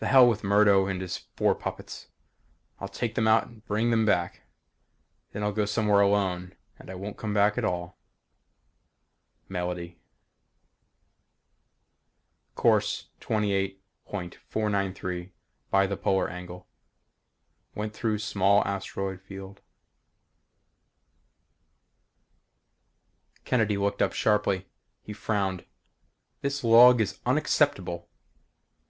The hell with Murdo and his four puppets. I'll take them out and bring them back. Then I'll go somewhere alone and I won't come back at all. Melody. Course 28.493 by the polar angle. Went through small asteroid field.... Kennedy looked up sharply. He frowned. "This log is unacceptable."